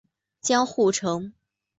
江户城。